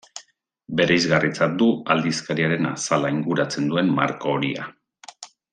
Bereizgarritzat du aldizkariaren azala inguratzen duen marko horia.